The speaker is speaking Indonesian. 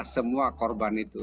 semua korban itu